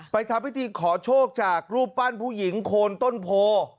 ทำพิธีขอโชคจากรูปปั้นผู้หญิงโคนต้นโพ